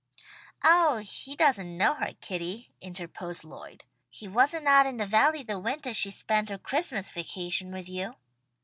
"Oh he doesn't know her, Kitty," interposed Lloyd. "He wasn't out in the Valley the wintah she spent her Christmas vacation with you."